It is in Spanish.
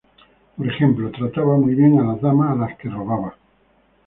Por ejemplo, trataba muy bien a las damas a las que robaba.